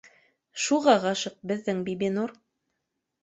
Шуға ғашиҡ беҙҙең Бибинур